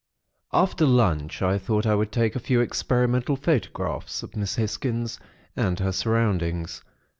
"After lunch, I thought I would take a few experimental photographs of Miss Hisgins and her surroundings.